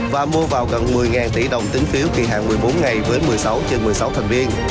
và mua vào gần một mươi tỷ đồng tính phiếu kỳ hạn một mươi bốn ngày với một mươi sáu trên một mươi sáu thành viên